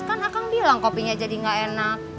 kan akang bilang kopinya jadi nggak enak